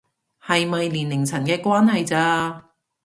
係咪年齡層嘅關係咋